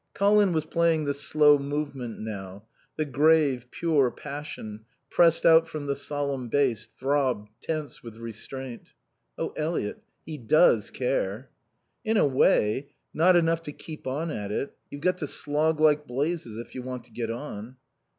Colin was playing the slow movement now, the grave, pure passion, pressed out from the solemn bass, throbbed, tense with restraint. "Oh Eliot, he does care." "In a way. Not enough to keep on at it. You've got to slog like blazes, if you want to get on."